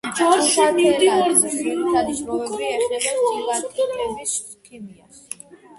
ქუთათელაძის ძირითდი შრომები ეხება სილიკატების ქიმიას.